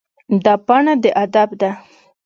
دا پاڼه د ادب ده.